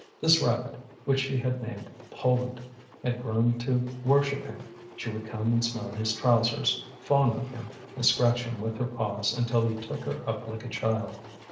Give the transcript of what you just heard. This rabbit, which he had named Poland, had grown to worship him; she would come and smell his trousers, fawn on him and scratch him with her paws until he took her up like a child.